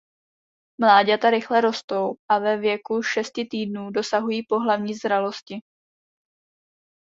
Mláďata rychle rostou a ve věku šesti týdnů dosahují pohlavní zralosti.